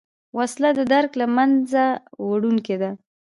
وسله د درک له منځه وړونکې ده